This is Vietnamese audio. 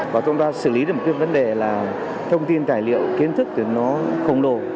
và chúng ta xử lý được một cái vấn đề là thông tin tài liệu kiến thức thì nó khổng lồ